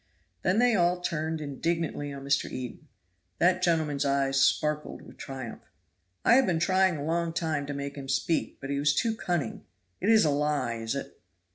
Then they all turned indignantly on Mr. Eden. That gentleman's eyes sparkled with triumph. "I have been trying a long time to make him speak, but he was too cunning. It is a lie, is it?"